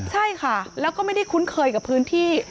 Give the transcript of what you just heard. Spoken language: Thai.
ใช่ค่ะแล้วก็ไม่ได้คุ้นเคยกับพื้นที่